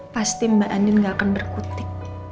pasti mbak andin gak akan berkutik